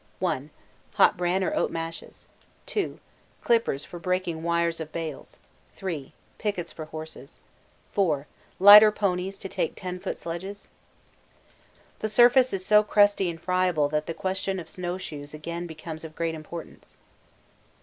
1. Hot bran or oat mashes. 2. Clippers for breaking wires of bales. 3. Pickets for horses. 4. Lighter ponies to take 10 ft. sledges? The surface is so crusty and friable that the question of snow shoes again becomes of great importance.